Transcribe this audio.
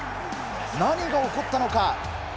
何が起こったのか。